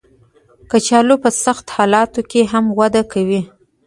کچالو په سختو حالاتو کې هم وده کوي